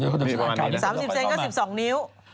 ๓๐เซนก็๑๒นิ้ว